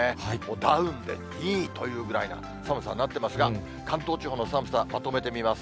ダウンでいいというぐらいな、寒さになっていますが、関東地方の寒さ、まとめてみます。